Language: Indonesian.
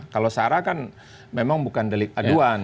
kalau sarah kan memang bukan delik aduan